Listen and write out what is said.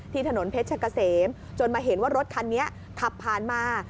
ถนนเพชรกะเสมจนมาเห็นว่ารถคันนี้ขับผ่านมา